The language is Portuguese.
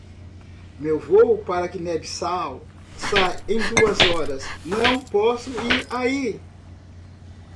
Meu voo para Guiné-Bissau sai em duas horas, não posso ir aí.